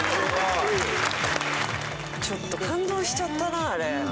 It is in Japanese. ちょっと感動しちゃったなあれ。